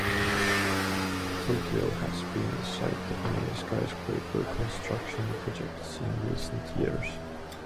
Tokyo has been the site of many skyscraper construction projects in recent years.